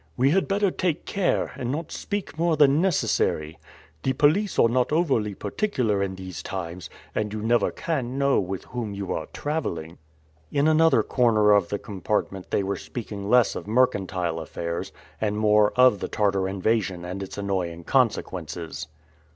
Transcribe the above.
"We had better take care, and not speak more than necessary. The police are not over particular in these times, and you never can know with whom you are traveling." In another corner of the compartment they were speaking less of mercantile affairs, and more of the Tartar invasion and its annoying consequences.